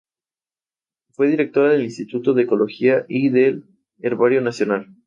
En el sistema de archivos, los parches de un repositorio están ordenados linealmente.